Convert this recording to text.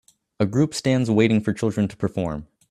A group stands waiting for children to perform